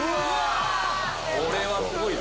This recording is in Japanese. これはすごいぞ！